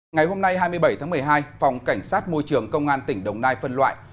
ngày hôm nay hai mươi bảy tháng một mươi hai phòng cảnh sát môi trường công an tỉnh đồng nai phân loại